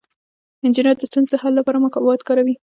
انجینر د ستونزو د حل لپاره مواد کاروي.